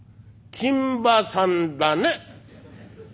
「金馬さんだね」。